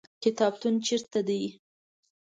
کتابتون چیرته دی؟